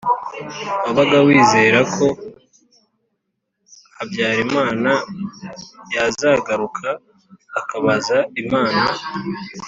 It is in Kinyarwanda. wabaga wizera ko habyarimana yazagaruka akubaza inama?